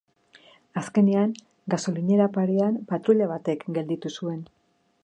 Azkenean, gasolinera parean patruila batek gelditu zuen.